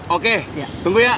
oke tunggu ya